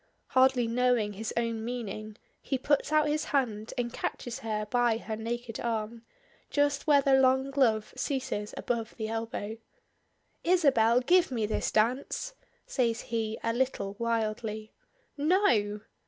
Hardly knowing his own meaning, he puts out his hand and catches her by her naked arm, just where the long glove ceases above the elbow. "Isabel, give me this dance," says he a little wildly. "_No!